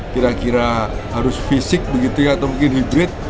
kira kira harus fisik begitu ya atau mungkin hidrid